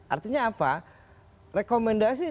artinya apa rekomendasi